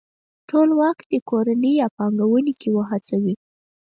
ټولواک دې کورني پانګوونکي وهڅوي.